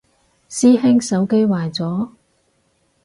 師兄手機壞咗？